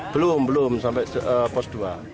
belum belum sampai pos dua